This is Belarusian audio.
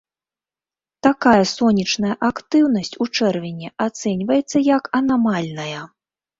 Такая сонечная актыўнасць у чэрвені ацэньваецца як анамальная.